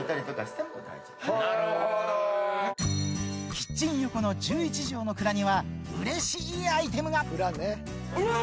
キッチン横の１１帖の蔵にはうれしいアイテムが！